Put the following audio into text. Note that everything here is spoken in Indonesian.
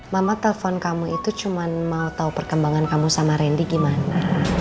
mama telepon kamu itu cuma mau tahu perkembangan kamu sama randy gimana